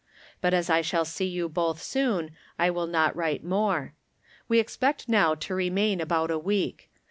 But, as I shall see you both soon, I will not write more. We expect now to remain about a week.